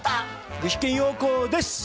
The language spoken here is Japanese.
具志堅用高です！